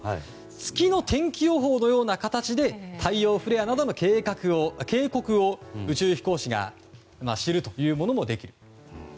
月の天気予報のような形で太陽フレアなどの警告を宇宙飛行士が知るということもできると。